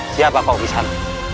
siapa pak pusat